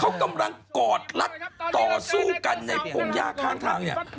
เขากำลังกอดรัดต่อสู้กันในพงหญ้าข้างทางเนี่ย